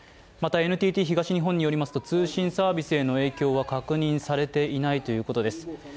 またＮＴＴ東日本によりますと、通信サービスへの影響は確認されていないということです。